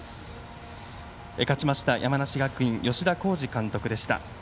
勝ちました、山梨学院吉田洸二監督でした。